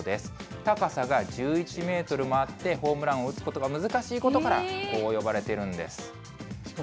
高さが１１メートルもあって、ホームランを打つことが難しいことから、こう呼ばれてるんです。